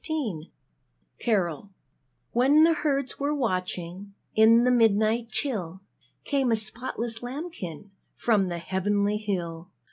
Rossetti_ CAROL When the herds were watching In the midnight chill, Came a spotless lambkin From the heavenly hill.